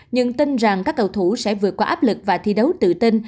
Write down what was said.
nhưng tin rằng các cầu thủ sẽ vượt qua áp lực và thi đấu tự tin